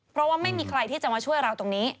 เพราะว่าไม่มีใครที่จะมาช่วยเราตรงนี้